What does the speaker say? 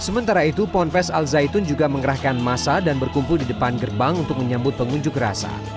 sementara itu ponpes al zaitun juga mengerahkan masa dan berkumpul di depan gerbang untuk menyambut pengunjuk rasa